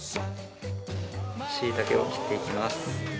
しいたけを切っていきます。